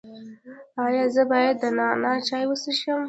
ایا زه باید د نعناع چای وڅښم؟